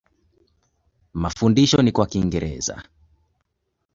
Mafundisho ni kwa Kiingereza.